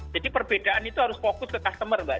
jadi perbedaan itu harus fokus ke customer mbak